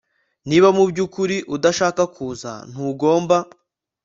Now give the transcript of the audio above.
Niba mubyukuri udashaka kuza ntugomba